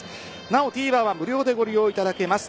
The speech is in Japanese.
なお、ＴＶｅｒは無料でご利用いただけます。